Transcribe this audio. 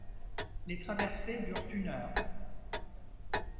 Les traversées durent une heure.